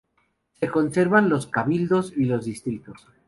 Se conservan los "cabildos" y los "distritos".